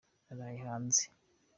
naraye hanze.